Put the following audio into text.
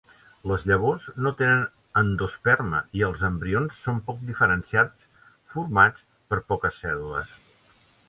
Les llavors no tenen endosperma i els embrions són poc diferenciats formats per poques cèl·lules.